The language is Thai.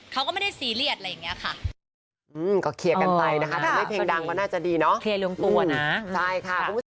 เขาก็ไม่ได้ซีเรียสอะไรอย่างนี้ค่ะ